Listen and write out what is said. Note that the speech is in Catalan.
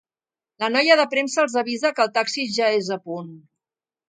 La noia de premsa els avisa que el taxi ja és a punt.